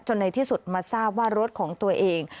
ในที่สุดมาทราบว่ารถของตัวเอง